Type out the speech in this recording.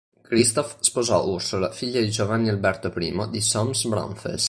Christoph sposò Ursula, figlia di Giovanni Alberto I di Solms-Braunfels.